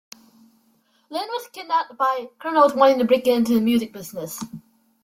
Lynn was kidnapped by criminals wanting to break into the music business.